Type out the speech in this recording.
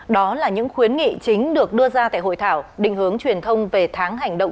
đó là những khuyến nghị chính được đưa ra tại hội thảo định hướng truyền thông về tháng hành động